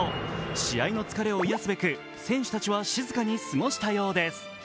試合の疲れを癒すべく選手たちは静かに過ごしたようです。